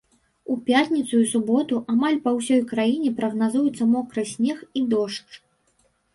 У пятніцу і суботу амаль па ўсёй краіне прагназуюцца мокры снег і дождж.